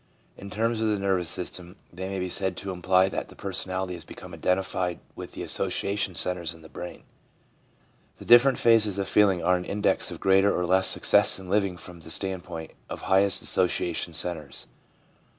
In terms of the nervous system, they may be said to imply that the personality has become identified with the association centres in the brain. The different phases of feeling are an index of greater or less success in living from the standpoint of highest association centres.